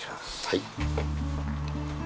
はい。